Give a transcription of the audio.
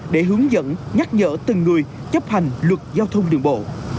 để hướng dẫn nhắc nhở từng người chấp hành luật giao thông đường bộ